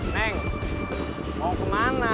neng mau ke mana